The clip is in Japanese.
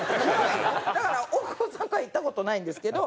だから大久保さんとは行った事ないんですけど。